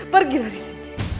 pergi dari sini